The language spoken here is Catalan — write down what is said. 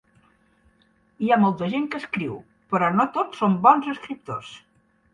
Hi ha molta gent que escriu, però no tots són bons escriptors.